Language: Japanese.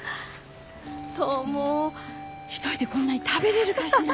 トモ一人でこんなに食べれるかしら。